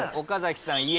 岡崎さん。